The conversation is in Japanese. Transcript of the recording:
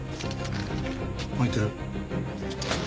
開いてる。